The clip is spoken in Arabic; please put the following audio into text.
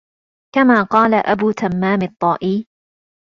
كَمَا قَالَ أَبُو تَمَّامٍ الطَّائِيُّ